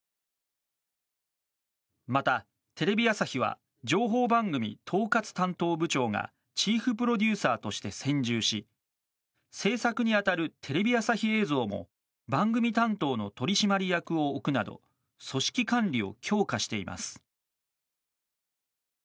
また、テレビ朝日は情報番組統括担当部長がチーフプロデューサーとして専従し制作に当たるテレビ朝日映像も番組担当の取締役を置くなど組織管理を強化しています。